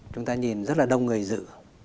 chúng ta nhìn rất là đông người dự